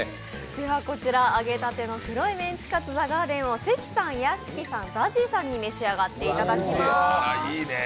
ではこちら揚げたての黒いメンチカツＴｈｅＧａｒｄｅｎを関さん、屋敷さん、ＺＡＺＹさんに召し上がっていただきます。